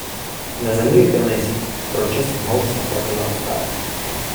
— Й на землі клянися, — врочистим голосом проказав старець.